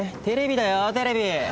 テレビだよテレビ。